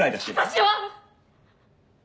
私は！